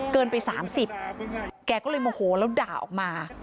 เกินไป๓๐แกก็เลยโมโหแล้วด่าออกมา